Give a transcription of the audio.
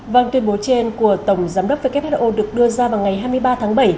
vâng tuyên bố trên của tổng giám đốc who được đưa ra vào ngày hai mươi ba tháng bảy